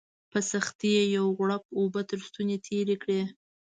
په سختۍ یې یو غوړپ اوبه تر ستوني تېري کړې